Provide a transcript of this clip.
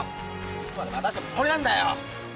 いつまで待たせとくつもりなんだよ？